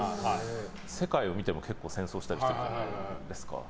世界を見ても、結構戦争したりしているじゃないですか。